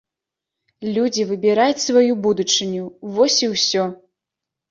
Людзі выбіраюць сваю будучыню, вось і ўсё!